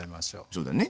そうだね。